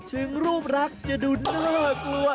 ถึงรูปรักจะดูน่ากลัว